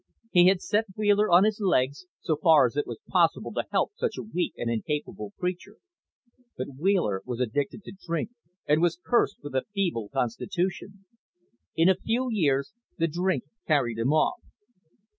He had set Wheeler on his legs, so far as it was possible to help such a weak and incapable creature. But Wheeler was addicted to drink and was cursed with a feeble constitution. In a few years, the drink carried him off.